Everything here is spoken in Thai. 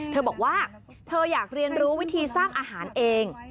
เธอบอกว่าเธออยากเรียนรู้วิธีสร้างอาหารเอง